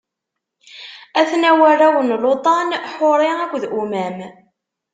A-ten-an warraw n Luṭan: Ḥuri akked Umam.